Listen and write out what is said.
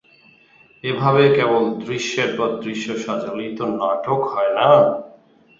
এভাবে কেবল দৃশ্যের পর দৃশ্য সাজালেই তো নাটক হয় না।